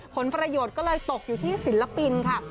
ผลประโยชน์ก็เลยตกอยู่ที่ศิลปินค่ะ